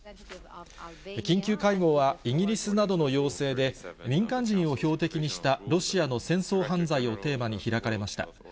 緊急会合は、イギリスなどの要請で、民間人を標的にしたロシアの戦争犯罪をテーマに開かれました。